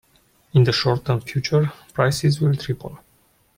In the short term future, prices will triple.